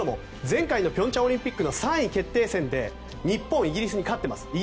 前回の平昌オリンピックの３位決定戦で日本はイギリスに勝っています。